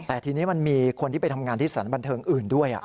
แต่ทีนี้มันมีคนที่ไปทำงานที่สถานบันเทิงอื่นด้วย